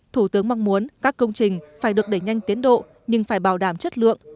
thủ tướng mong muốn các công trình phải được đẩy nhanh tiến độ nhưng phải bảo đảm chất lượng